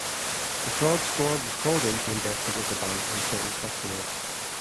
The fraud squad was called in to investigate the bank and certain customers.